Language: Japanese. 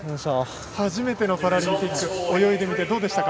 初めてのパラリンピック泳いでみてどうでしたか